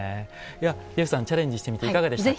ジェフさんチャレンジしてみていかがでしたか？